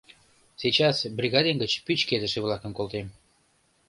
— Сейчас бригадем гыч пӱчкедыше-влакым колтем.